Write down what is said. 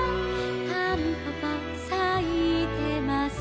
「たんぽぽさいてます」